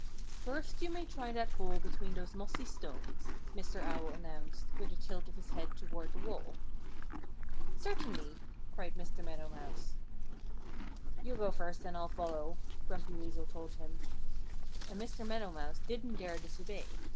"First you may try that hole between those mossy stones," Mr. Owl announced, with a tilt of his head toward the wall. "Certainly!" cried Mr. Meadow Mouse. "You go first and I'll follow," Grumpy Weasel told him. And Mr. Meadow Mouse didn't dare disobey.